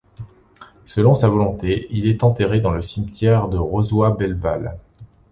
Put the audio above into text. Selon sa volonté, il est enterré dans le cimetière de Rozoy-Bellevalle.